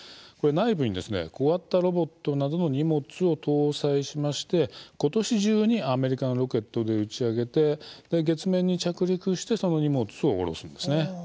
内部に、小型ロボットなどの荷物を搭載しまして今年中にアメリカのロケットで打ち上げて、月面に着陸してその荷物を降ろすんですね。